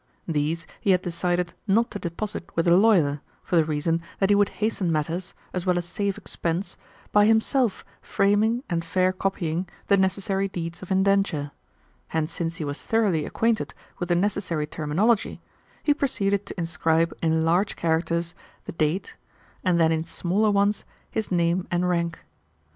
These he had decided not to deposit with a lawyer, for the reason that he would hasten matters, as well as save expense, by himself framing and fair copying the necessary deeds of indenture; and since he was thoroughly acquainted with the necessary terminology, he proceeded to inscribe in large characters the date, and then in smaller ones, his name and rank.